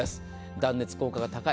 断熱効果が高い。